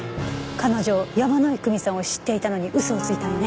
彼女山井久美さんを知っていたのに嘘をついたのね。